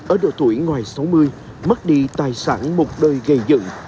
ở độ tuổi ngoài sáu mươi mất đi tài sản một đời gây dựng